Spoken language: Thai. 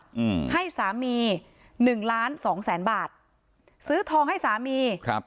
อืมให้สามีหนึ่งล้านสองแสนบาทซื้อทองให้สามีครับ